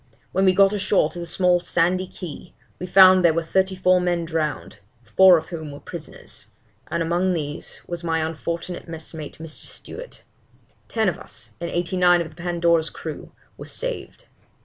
When we got ashore to the small sandy key, we found there were thirty four men drowned, four of whom were prisoners, and among these was my unfortunate messmate (Mr. Stewart); ten of us, and eighty nine of the Pandora's crew, were saved.